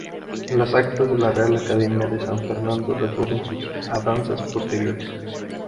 Las actas de la Real Academia de San Fernando recogen sus andanzas posteriores.